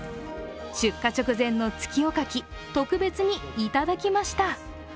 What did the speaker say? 出荷直前の月夜牡蠣、特別にいただきました。